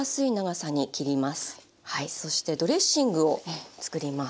そしてドレッシングを作ります。